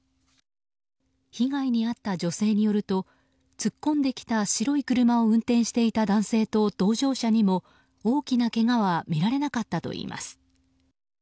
被害に遭った女性によると突っ込んできた白い車を運転していた男性と同乗者にも大きなけがはみられなかったといいます。